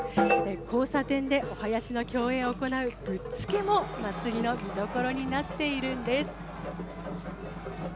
交差点でお囃子の競演を行うぶっつけも祭りの見どころになっているんです。